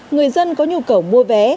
người dân có nhu cầu mua vé